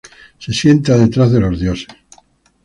Se sienta detrás de los dioses.